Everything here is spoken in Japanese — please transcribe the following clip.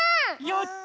やった！